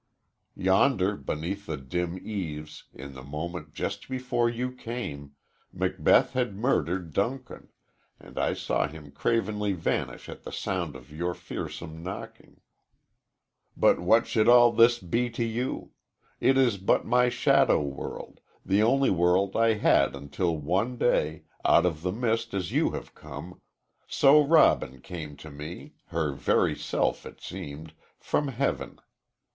Yonder, beneath the dim eaves, in the moment just before you came, Macbeth had murdered Duncan, and I saw him cravenly vanish at the sound of your fearsome knocking. "But what should all this be to you? It is but my shadow world the only world I had until one day, out of the mist as you have come, so Robin came to me her very self, it seemed from heaven.